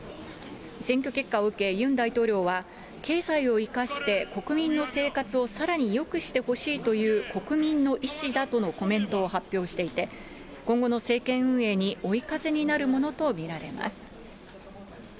選挙結果を受け、ユン大統領は、経済を生かして国民の生活をさらによくしてほしいという国民の意思だとのコメントを発表していて、今後の政権運営に追い風になるものと見られます。